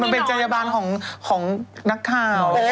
มันเขียนอย่างนั้นจริงหรอในข่าว